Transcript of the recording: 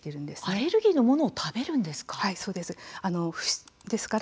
アレルギーのものを食べるんですか。